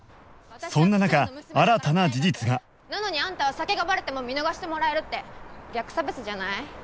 そんな中新たな事実がなのにあんたは酒がバレても見逃してもらえるって逆差別じゃない？